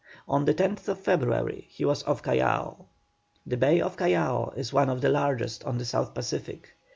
On the 10th February he was off Callao. The bay of Callao is one of the largest on the South Pacific.